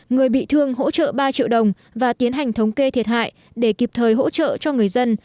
người bị thương hỗ trợ ba triệu đồng và tiến hành thống kê thiệt hại để kịp thời hỗ trợ cho người dân